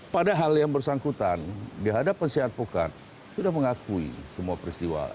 padahal yang bersangkutan di hadapan si advokat sudah mengakui semua peristiwa